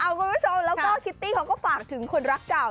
คุณผู้ชมแล้วก็คิตตี้เขาก็ฝากถึงคนรักเก่า